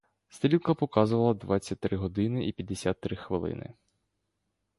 Стрілка показувала двадцять три години і п'ятдесят три хвилини.